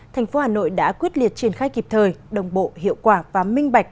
thành phố hà nội đã quyết liệt triển khai kịp thời đồng bộ hiệu quả và minh bạch